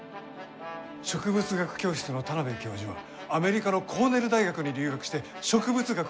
植物学教室の田邊教授はアメリカのコーネル大学に留学して植物学を学んでこられたんだ。